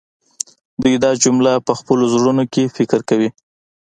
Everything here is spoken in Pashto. دوی دا جمله په خپلو زړونو کې فکر کوي